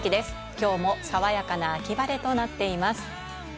きょうも爽やかな秋晴れとなっています。